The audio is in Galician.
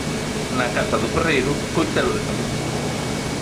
Na casa do ferreiro, coitelo de pau